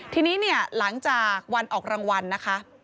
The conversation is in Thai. ทีนี้เนี่ยหลังจากวันออกรางวัลนะคะ